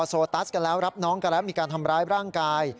โซตัสกันแล้วรับน้องกันแล้วมีการทำร้ายร่างกาย